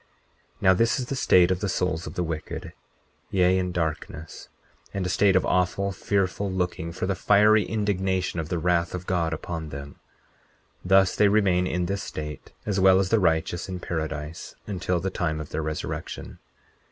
40:14 Now this is the state of the souls of the wicked, yea, in darkness, and a state of awful, fearful looking for the fiery indignation of the wrath of God upon them; thus they remain in this state, as well as the righteous in paradise, until the time of their resurrection.